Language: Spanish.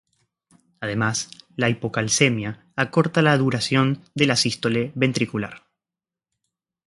Además, la hipocalcemia acorta la duración de la sístole ventricular.